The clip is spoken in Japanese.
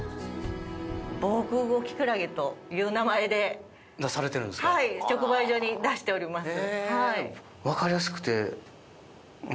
防空壕きくらげという名前で直売所に出しております。